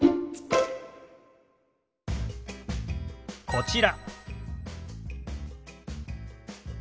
こちら。